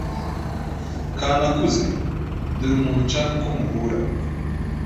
Kanakuze, dore umuntu nshaka ko muhura.